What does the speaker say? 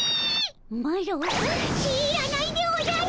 マロ知らないでおじゃる。